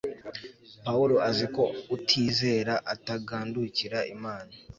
pawulo azi ko utizera atagandukira imana